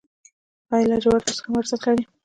آیا لاجورد اوس هم ارزښت لري؟